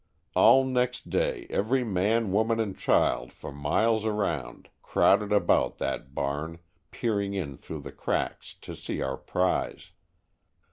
All next day every man, woman and child for miles around crowded about that barn, peering in through the cracks to see our prize.